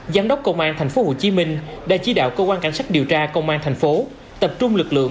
giám đốc công an tp hcm đã chỉ đạo cơ quan cảnh sát điều tra công an thành phố tập trung lực lượng